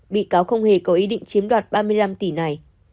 bị cáo không hề có ý định chiếm đoạt ba mươi năm tỷ này